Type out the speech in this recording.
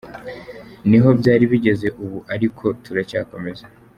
Niho byari bigeze ubu ariko turacyakomeza.